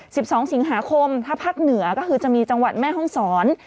สิบสองสิงหาคมถ้าภาคเหนือก็คือจะมีจังหวัดแม่ห้องศร